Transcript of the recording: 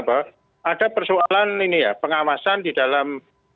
ada persoalan pengawasan di dalam